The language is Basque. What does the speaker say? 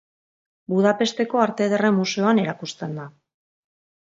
Budapesteko Arte Ederren Museoan erakusten da.